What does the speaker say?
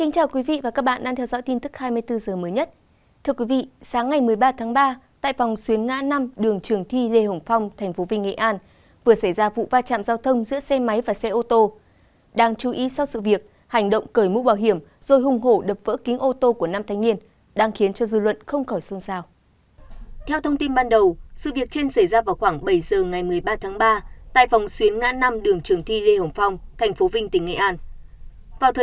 các bạn hãy đăng ký kênh để ủng hộ kênh của chúng mình nhé